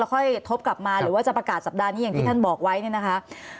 ค่อยทบกลับมาหรือว่าจะประกาศสัปดาห์นี้อย่างที่ท่านบอกไว้เนี่ยนะคะ